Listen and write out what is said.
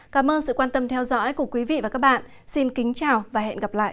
cảm ơn sự quan tâm theo dõi của quý vị và các bạn xin kính chào và hẹn gặp lại